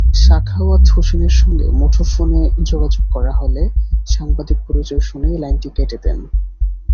সাখাওয়াত হোসেনের সঙ্গে মুঠোফোনে যোগাযোগ করা হলে সাংবাদিক পরিচয় শুনেই লাইনটি কেটে দেন।